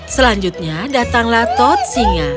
selanjutnya datanglah toad singa